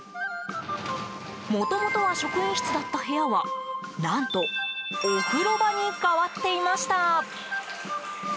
もともとは職員室だった部屋は何とお風呂場に変わっていました。